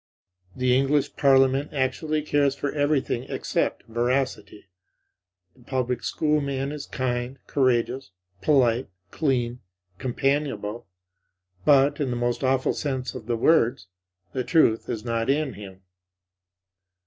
The English Parliament actually cares for everything except veracity. The public school man is kind, courageous, polite, clean, companionable; but, in the most awful sense of the words, the truth is not in him.